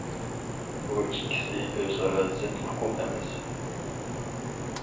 بۇ ئىككىسى ئۆز ئارا زىت ئۇقۇم ئەمەس!